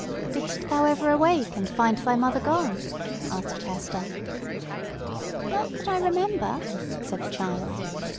"Didst thou ever awake and find thy mother gone?" asked Hester. "Not that I remember," said the child.